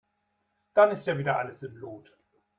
Dann ist ja wieder alles im Lot.